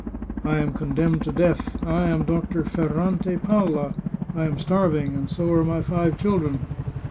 " I am condemned to death ; I am Dr. Ferrante Palla ; I am starving, and so are my five children."